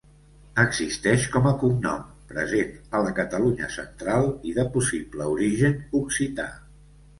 Existeix com a cognom, present a la Catalunya central i de possible origen occità.